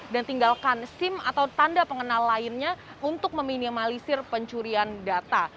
dan tinggalkan sim atau tanda pengenal lainnya untuk meminimalisir pencurian data